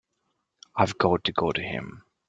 I've got to go to him.